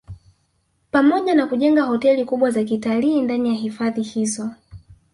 Pamoja na kujenga hoteli kubwa za kitalii ndani ya hifadhi hizo